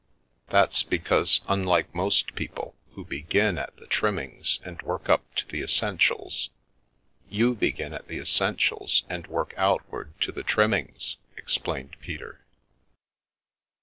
" That's because, unlike most people, who begin at the trimmings and work up to the essentials, you begin at the essentials and work outward to the trimmings," explained Peter.